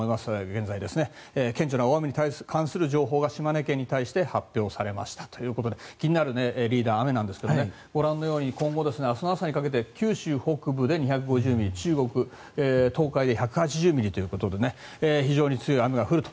現在、顕著な大雨に関する情報が島根県に対して発表されましたということでリーダー気になる雨なんですがご覧のように今後明日の朝にかけて九州北部で２５０ミリ中国、東海で１８０ミリということで非常に強い雨が降ると。